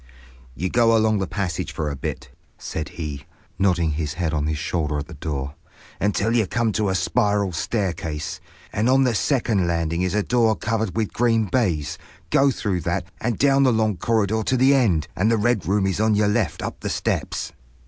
"You go along the passage for a bit," said he, nodding his head on his shoulder at the door, "until you come to a spiral staircase; and on the second landing is a door covered with green baize. Go through that, and down the long corridor to the end, and the Red Room is on your left up the steps."